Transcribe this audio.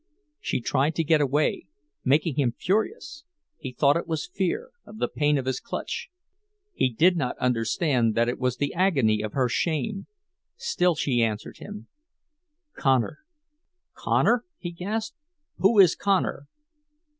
She tried to get away, making him furious; he thought it was fear, of the pain of his clutch—he did not understand that it was the agony of her shame. Still she answered him, "Connor." "Connor," he gasped. "Who is Connor?"